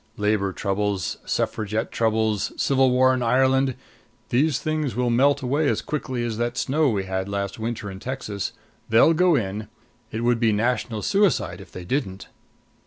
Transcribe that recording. Labor troubles; suffragette troubles; civil war in Ireland these things will melt away as quickly as that snow we had lastwinter in Texas. They'll go in. It would be national suicide if they didn't."